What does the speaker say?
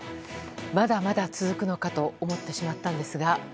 まだまだ続くのかと思ってしまったんですが。